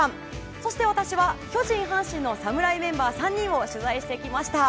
そして私は巨人、阪神の侍メンバー３人を取材してきました。